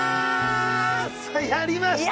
やりました！